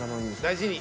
大事に。